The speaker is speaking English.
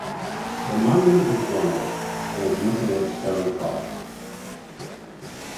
The monument is damaged and is missing its stone cross.